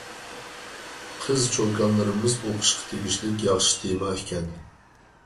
قىز-چوكانلىرىمىز ئوقۇشقا تېگىشلىك ياخشى تېما ئىكەن.